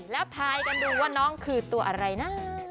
แล้วทายกันดูว่าน้องคือตัวอะไรนะ